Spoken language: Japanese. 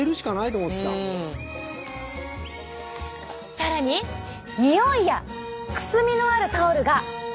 更ににおいやくすみのあるタオルが。